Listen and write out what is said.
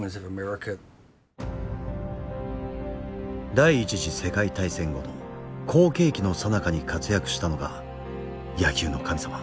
第一次世界大戦後の好景気のさなかに活躍したのが“野球の神様”